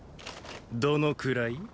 どのくらい？